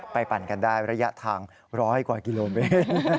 ปั่นกันได้ระยะทางร้อยกว่ากิโลเมตร